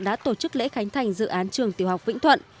đã tổ chức lễ khánh thành dự án trường tiểu học vĩnh thuận